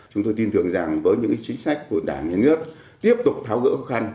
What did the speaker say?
chúng tôi tin tưởng rằng với những chính sách của đảng và nước tiếp tục tháo gỡ khu khăn